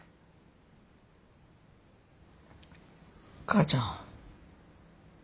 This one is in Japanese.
母ちゃん。